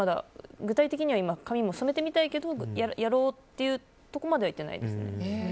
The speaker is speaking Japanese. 具体的には今髪も染めてみたいけどやろうというところまではいってないです。